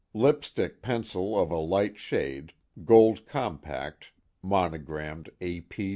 "Lipstick pencil of a light shade, gold compact monogrammed A.